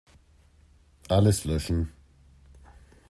Alles löschen.